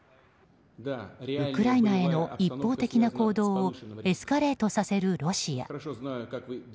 ウクライナへの一方的な行動をエスカレートさせるロシア。